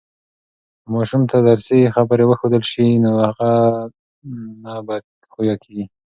که ماشوم ته درستی خبرې وښودل سي، نو هغه نه بد خویه کیږي.